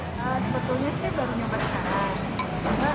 sebetulnya saya baru nyoba sekarang